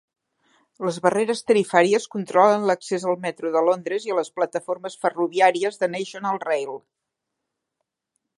Les barreres tarifàries controlen l"accés al metro de Londres i a les plataformes ferroviàries de National Rail.